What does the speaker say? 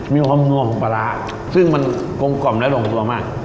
มีความนัวของปลาร้าซึ่งมันกลมกล่อมและลงตัวมาก